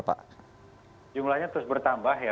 jumlahnya terus bertambah ya